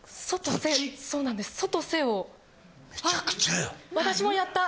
そうなんです。